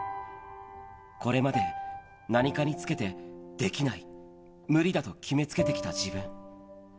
これまで何かにつけてできない、無理だと決めつけてきた自分。